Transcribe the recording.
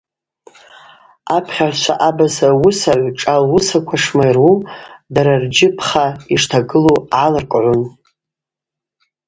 Апхьагӏвчва абаза уысагӏв шӏа луысаква шмайру, дара рджыпха йштагылу гӏалыркӏгӏун.